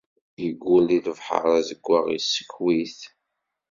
Iggull di lebḥer azeggaɣ, isskew-it.